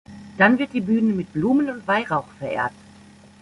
Dann wird die Bühne mit Blumen und Weihrauch verehrt.